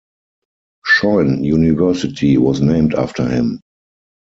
Shoin University was named after him.